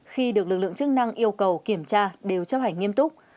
khi được lực lượng chức năng yêu cầu kiểm tra đều chấp hành nghiêm túc